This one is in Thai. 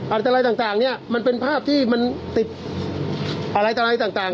อะไรต่างเนี่ยมันเป็นภาพที่มันติดอะไรต่ออะไรต่าง